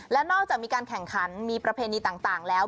และนอกจากมีการแข่งขันมีประเพณีต่างแล้ว